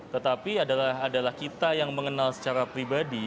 tetapi adalah kita yang mengenal secara pribadi